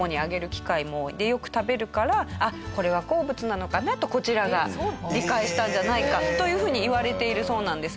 よく食べるからあっこれは好物なのかなとこちらが理解したんじゃないかという風にいわれているそうなんです。